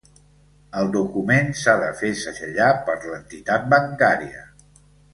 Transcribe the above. El document s'ha de fer segellar per l'entitat bancària.